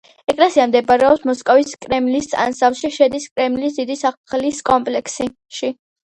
ეკლესია მდებარეობს მოსკოვის კრემლის ანსამბლში, შედის კრემლის დიდი სასახლის კომპლექსში.